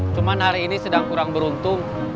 cuma hari ini sedang kurang beruntung